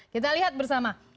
kita lihat bersama